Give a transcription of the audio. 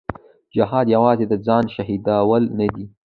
جهاد یوازې د ځان شهیدول نه دي.